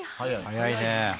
早いね。